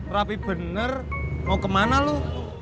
rapi bener mau kemana lu